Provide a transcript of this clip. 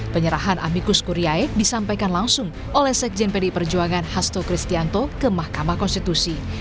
penyerahan amikus kuriyae disampaikan langsung oleh sekjen pdi perjuangan hasto kristianto ke mahkamah konstitusi